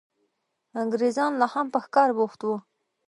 انګرېزان لا هم په ښکار بوخت وو.